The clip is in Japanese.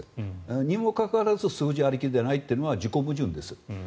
にもかかわらず数字ありきではないというのは自己矛盾です。